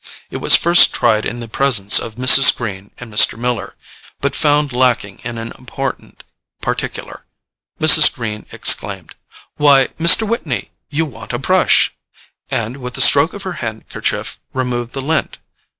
It was first tried in the presence of Mrs. Greene and Mr. Miller, but found lacking in an important particular. Mrs. Greene exclaimed, "Why, Mr. Whitney, you want a brush," and with a stroke of her handkerchief removed the lint.